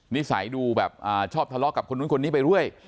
นิสัยดูแบบชอบทะเลาะกับคนนู้นคนนี้ไปเรื่อย